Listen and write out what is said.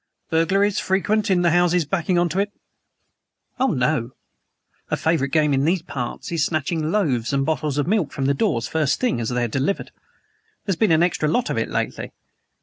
"Burglaries frequent in the houses backing on to it?" "Oh, no. A favorite game in these parts is snatching loaves and bottles of milk from the doors, first thing, as they're delivered. There's been an extra lot of it lately.